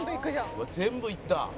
「うわ全部いった」